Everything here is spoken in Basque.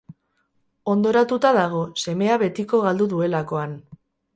Hondoratuta dago, semea betiko galdu duelakoan.